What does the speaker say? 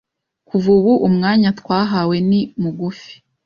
Kuva ubu umwanya twahawe ni mugufi